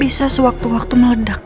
bisa sewaktu waktu meledak